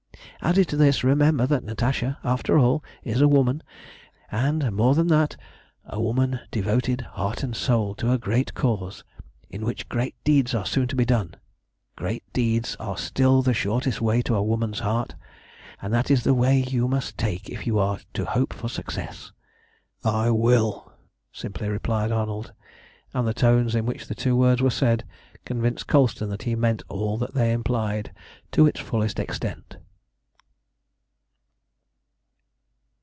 "Added to this, remember that Natasha, after all, is a woman, and, more than that, a woman devoted heart and soul to a great cause, in which great deeds are soon to be done. Great deeds are still the shortest way to a woman's heart, and that is the way you must take if you are to hope for success." "I will!" simply replied Arnold, and the tone in which the two words were said convinced Colston that he meant all that they implied to its fullest extent.